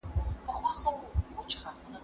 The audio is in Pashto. د خوب قصه دي يوه ورور ته هم مه کوه.